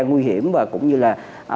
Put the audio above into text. nguy hiểm và cũng như là